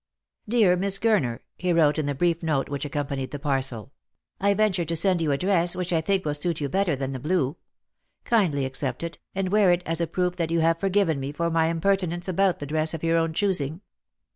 " Dear Miss Gurner," ne wrote in the brief note which accom panied the parcel, " I venture to send you a dress, which I think will suit you better than the blue. Kindly accept it, and wear it, as a proof that you have forgiven me my impertinence about the dress of your own choosing.